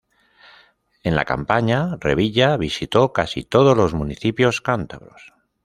En la campaña, Revilla visitó casi todos los municipios cántabros.